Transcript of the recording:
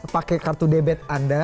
pakai kartu debit anda